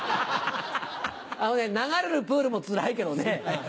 あのね流れるプールもつらいけどね